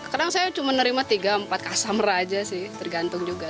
kadang saya cuma nerima tiga empat customer aja sih tergantung juga